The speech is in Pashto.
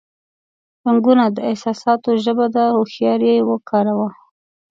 رنگونه د احساساتو ژبه ده، هوښیار یې وکاروه.